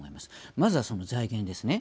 まずはその財源ですね。